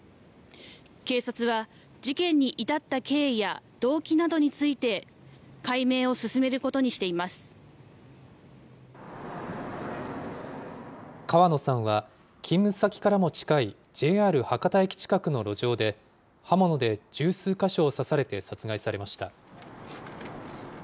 警察は事件に至った経緯や動機などについて、解明を進めることに川野さんは、勤務先からも近い、ＪＲ博多駅近くの路上で、刃物で十数か所を刺されて殺害されました。